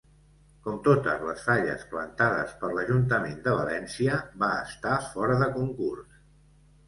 Com totes les falles plantades per l'Ajuntament de València, va estar fora de concurs.